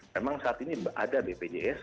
memang saat ini ada bpjs